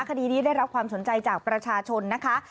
คดีนี้ได้รับความสนใจจากประชาชนนะคะ